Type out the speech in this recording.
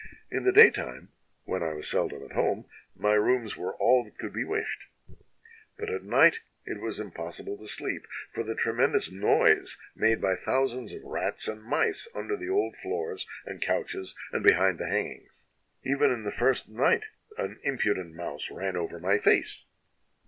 "In the daytime, when I was seldom at home, my rooms were all that could be wished, but at night it was impossible to sleep for the tremendous noise made by thousands of rats and mice under the old floors, and couches, and behind the hangings. "Even in the first night an impudent mouse ran over my face.